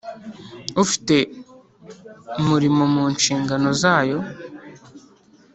ufite murimo mu nshingano zayo